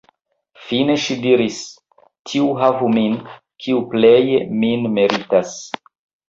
Fine ŝi diris: "Tiu havu min, kiu pleje min meritas".